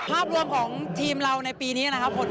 ภาพรวมของทีมเราในปีนี้นะครับผม